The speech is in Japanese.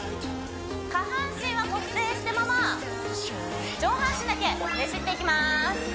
下半身は固定したまま上半身だけねじっていきます